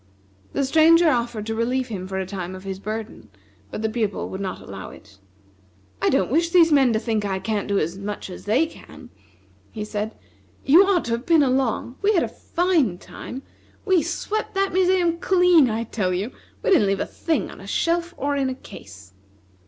The Stranger offered to relieve him for a time of his burden, but the Pupil would not allow it. "I don't wish these men to think I can't do as much as they can," he said. "You ought to have been along. We had a fine time! We swept that museum clean, I tell you! We didn't leave a thing on a shelf or in a case."